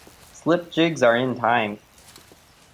Slip jigs are in time.